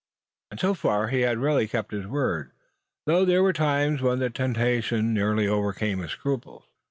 And so far he had really kept his word, though there were times when the temptation nearly overcame his scruples.